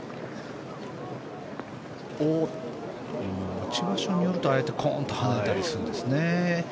落ち場所によるとああやってコーンと跳ねたりするんですね。